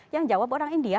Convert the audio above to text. yang jawab orang india